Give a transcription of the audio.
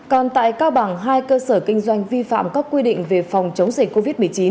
còn tại cao bằng hai cơ sở kinh doanh vi phạm các quy định về phòng chống dịch covid một mươi chín